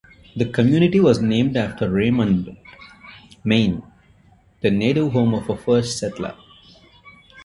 The community was named after Raymond, Maine, the native home of a first settler.